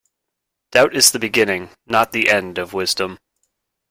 Doubt is the beginning, not the end of wisdom